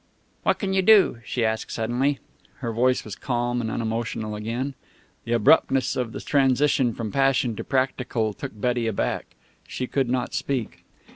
"What can you do?" she asked suddenly. Her voice was calm and unemotional again. The abruptness of the transition from passion to the practical took Betty aback. She could not speak.